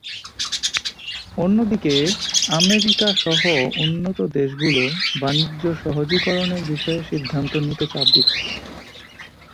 অন্যদিকে আমেরিরকাসহ উন্নত দেশগুলো বাণিজ্য সহজীকরণের বিষয়ে সিদ্ধান্ত নিতে চাপ দিচ্ছে।